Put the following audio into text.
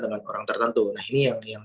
dengan orang tertentu nah ini yang